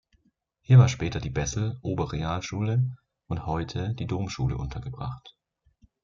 Hier war später die Bessel-Oberrealschule und heute die Domschule untergebracht.